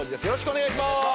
よろしくお願いします。